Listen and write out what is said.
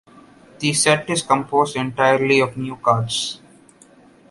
The set is composed entirely of new cards.